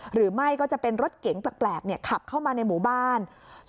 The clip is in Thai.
หรือไม่ก็จะเป็นรถเก๋งแปลกขับเข้ามาในหมู่บ้าน